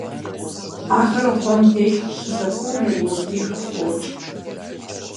Ахэр гъуэм деж къыщызэхонэри модрейхэр ӀуокӀ.